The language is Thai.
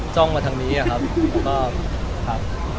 จ้องมาทางเนี้ยครับ